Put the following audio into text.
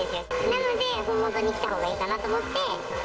なので、本元に来たほうがいいかなと思って。